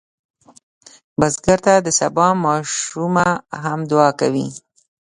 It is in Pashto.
بزګر ته د سبا ماشومه هم دعا کوي